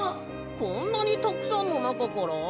こんなにたくさんのなかから？